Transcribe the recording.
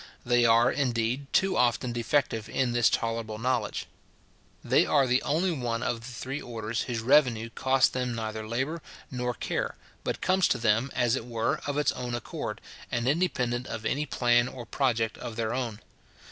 They are, indeed, too often defective in this tolerable knowledge. They are the only one of the three orders whose revenue costs them neither labour nor care, but comes to them, as it were, of its own accord, and independent of any plan or project of their own.